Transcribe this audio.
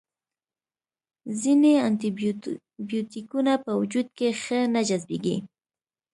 ځینې انټي بیوټیکونه په وجود کې ښه نه جذبیږي.